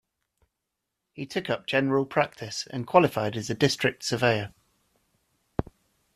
He took up general practice, and qualified as a district surveyor.